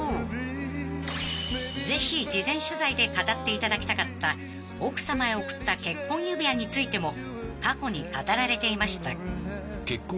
［ぜひ事前取材で語っていただきたかった奥さまへ贈った結婚指輪についても過去に語られていました］